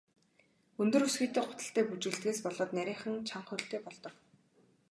Өндөр өсгийтэй гуталтай бүжиглэдгээс болоод нарийхан, чанга хөлтэй болгодог.